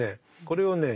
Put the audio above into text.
これをね